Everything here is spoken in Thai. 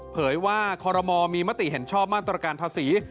เผยว่าคอรมอลมีมติเห็นชอบมาตรการภาษี